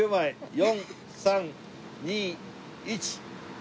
４３２１。